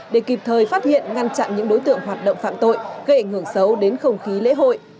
để kịp thời phát hiện ngăn chặn những đối tượng hoạt động phạm tội gây ảnh hưởng xấu đến không khí lễ hội